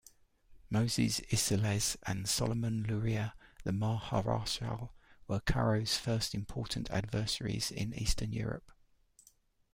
Moses Isserles and Solomon Luria-the Maharshal, were Karo's first important adversaries in Eastern Europe.